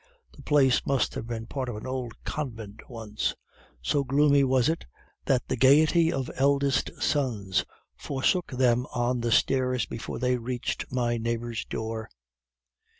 The place must have been part of an old convent once. So gloomy was it, that the gaiety of eldest sons forsook them on the stairs before they reached my neighbor's door.